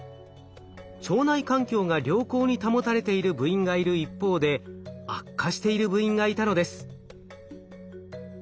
腸内環境が良好に保たれている部員がいる一方で悪化している部員がいたのです。